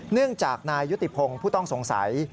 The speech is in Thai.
เนื่องจากนายยุติพงศ์ผู้ต้องสงสัย